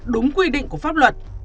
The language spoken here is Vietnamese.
đúng quy định của pháp luật